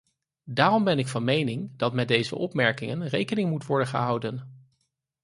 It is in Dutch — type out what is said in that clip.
Daarom ben ik van mening dat met deze opmerkingen rekening moet worden gehouden.